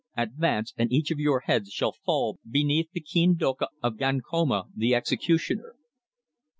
"Advance, and each of your heads shall fall beneath the keen doka of Gankoma, the executioner."